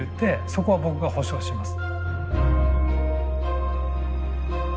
そこは僕が保証します。